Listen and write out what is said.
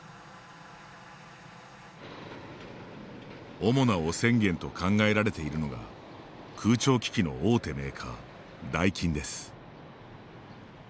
主な汚染源と考えられているのが空調機器の大手メーカーダイキンです。